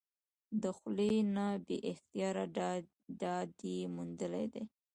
د خلي نه بې اختياره داد ئې موندلے دے ۔